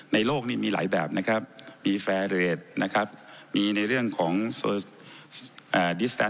ในโลกนี้มีหลายแบบนะครับมีนะครับมีในเรื่องของอ่า